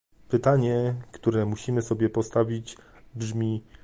Pytanie, które musimy sobie postawić, brzmi